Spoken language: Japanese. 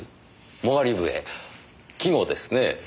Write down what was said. もがり笛季語ですね冬の。